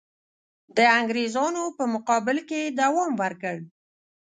د انګرېزانو په مقابل کې یې دوام ورکړ.